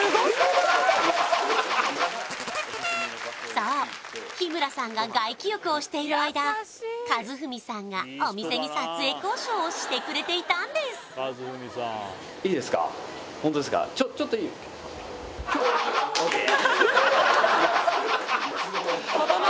そう日村さんが外気浴をしている間一文さんがお店に撮影交渉をしてくれていたんですちょっちょっとＯＫフゥー！